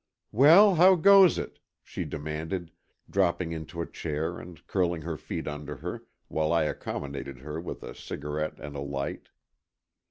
"Well, how goes it?" she demanded, dropping into a chair and curling her feet under her, while I accommodated her with a cigarette and a light.